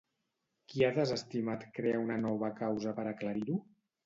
Qui ha desestimat crear una nova causa per a aclarir-ho?